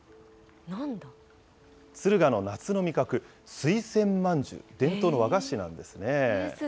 敦賀の夏の味覚、水仙まんじゅう、伝統の和菓子なんですね。